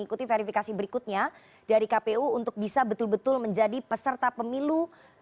ikuti verifikasi berikutnya dari kpu untuk bisa betul betul menjadi peserta pemilu dua ribu dua puluh